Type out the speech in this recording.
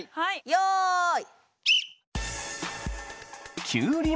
よい！